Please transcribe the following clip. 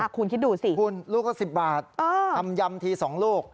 คุณคิดดูสิคุณลูกละ๑๐บาททำยำที๒ลูก